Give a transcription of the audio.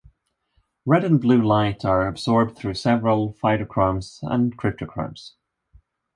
Red and blue light are absorbed through several phytochromes and cryptochromes.